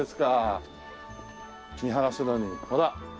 見晴らすのにほら。